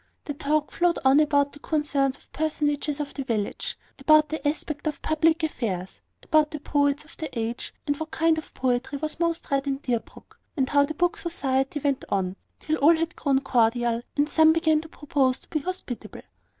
The talk flowed on about the concerns of personages of the village, about the aspect of public affairs, about the poets of the age, and what kind of poetry was most read in Deerbrook, and how the Book Society went on, till all had grown cordial, and some began to propose to be hospitable.